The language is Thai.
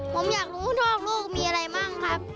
ผมอยากรู้นอกลูกมีอะไรมั่งครับ